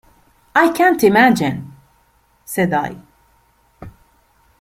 "I can't imagine," said I.